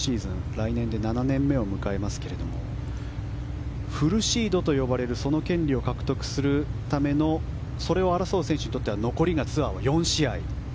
来年で７年目を迎えますがフルシードと呼ばれる権利を獲得するためのそれを争う選手にとっては残りツアーは４種類。